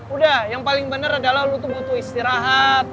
udah yang paling bener adalah lo tuh butuh istirahat